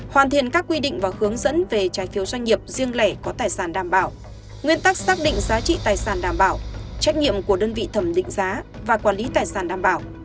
hoàn thiện các quy định và hướng dẫn về trái phiếu doanh nghiệp riêng lẻ có tài sản đảm bảo nguyên tắc xác định giá trị tài sản đảm bảo trách nhiệm của đơn vị thẩm định giá và quản lý tài sản đảm bảo